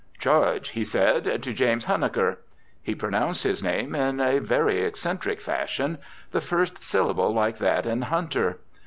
"Charge," he said, "to James Huneker." He pronounced his name in a very eccentric fashion, the first syllable like that in "hunter."